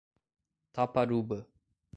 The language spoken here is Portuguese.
Taparuba